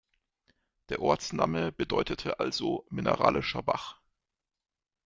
Der Ortsname bedeutete also „mineralischer Bach“.